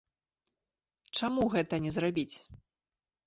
Чаму гэта не зрабіць?